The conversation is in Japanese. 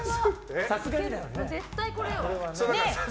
絶対これよ。